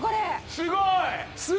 すごい！